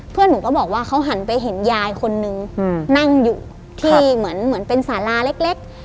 หนูก็บอกว่าเขาหันไปเห็นยายคนนึงนั่งอยู่ที่เหมือนเป็นสาราเล็ก